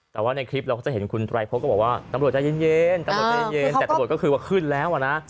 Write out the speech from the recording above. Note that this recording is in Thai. แต่ว่าในคลิปเราจะเห็นคุณตรายพกก็บอกว่าตำรวจจะเย็นแต่ตำรวจก็คือว่าขึ้นแล้วอะนะ